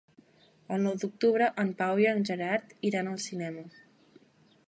El nou d'octubre en Pau i en Gerard iran al cinema.